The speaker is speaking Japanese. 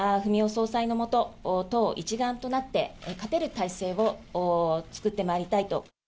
総裁の下、党一丸となって、勝てる体制を作ってまいりたいと。